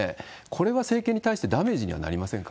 これは政権に対してダメージにはなりませんか？